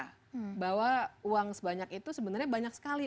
bahwa uang sebanyak itu sebenarnya banyak sekali uangnya itu banyak sekali